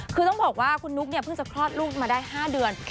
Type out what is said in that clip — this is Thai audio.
คือต้องบอกว่าคุณนุ๊กเนี่ยเพิ่งจะคลอดลูกมาได้๕เดือน